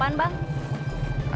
everland sudah buang